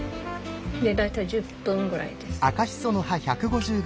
大体１０分ぐらいです。